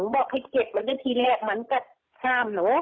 บอกให้เก็บไว้ที่แหล่กมันแหล้มหนู